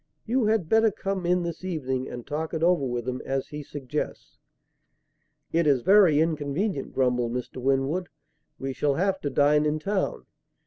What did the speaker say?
You had better come in this evening and talk it over with him as he suggests." "It is very inconvenient," grumbled Mr. Winwood. "We shall have to dine in town."